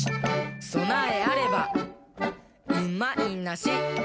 「そなえあればうまいなし！」